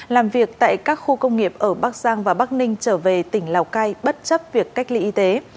làm việc tại các khu công nghiệp ở bắc giang và bắc ninh trở về tỉnh lào cai bất chấp việc cách ly y tế